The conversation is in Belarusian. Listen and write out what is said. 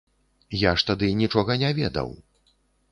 Я ж тады нічога не ведаў.